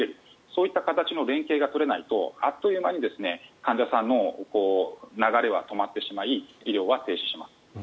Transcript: そういった形の連携が取れないとあっという間に患者さんの流れは止まってしまい医療は停止します。